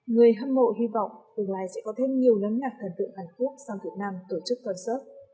người hâm mộ hy vọng tương lai sẽ có thêm nhiều nhóm nhạc thần tượng hàn quốc sang việt nam tổ chức concert